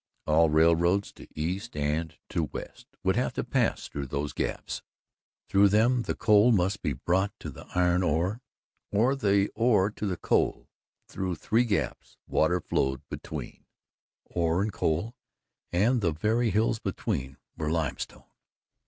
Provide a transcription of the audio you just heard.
All railroads, to east and to west, would have to pass through those gaps; through them the coal must be brought to the iron ore, or the ore to the coal. Through three gaps water flowed between ore and coal and the very hills between were limestone.